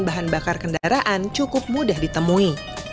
bahan bakar kendaraan cukup mudah ditemui